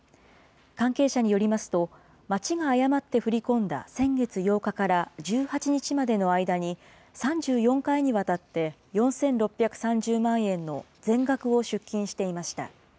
関係者によりますと、町が誤って振り込んだ先月８日から１８日までの間に、３４回にわたって、４６３０万円の全額を出金していました。